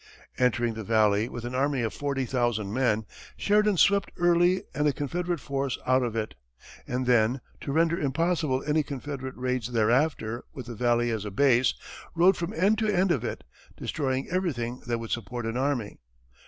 Entering the valley with an army of forty thousand men, Sheridan swept Early and a Confederate force out of it, and then, to render impossible any Confederate raids thereafter with the valley as a base, rode from end to end of it, destroying everything that would support an army.